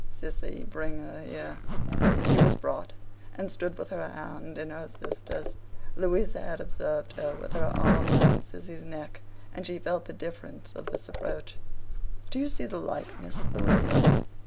Sissy, bring her here.' She was brought, and stood with her hand in her sister's. Louisa had observed her with her arm round Sissy's neck, and she felt the difference of this approach. 'Do you see the likeness, Louisa?